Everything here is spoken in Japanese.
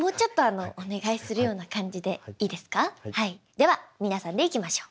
では皆さんでいきましょう。